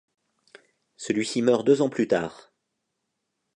Celui-ci meurt deux ans plus tard.